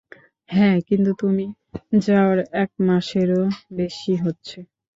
হ্যাঁঁ, কিন্তু তুমি যাওয়ার এক মাসেরও বেশি হচ্ছে।